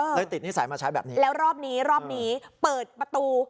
เลยติดนิสัยมาใช้แบบนี้แล้วรอบนี้รอบนี้เปิดประตู